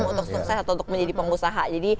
untuk sukses atau untuk menjadi pengusaha